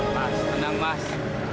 mas tenang mas